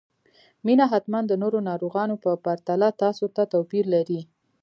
مينه حتماً د نورو ناروغانو په پرتله تاسو ته توپير لري